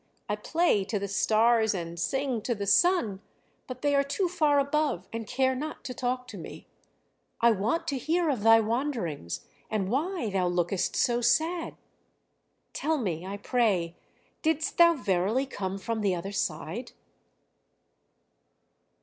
I play to the stars and sing to the sun, but they are too far above and care not to talk to me: I want to hear of thy wanderings and why thou lookest so sad. Tell me, I pray, didst thou verily come from the other side?"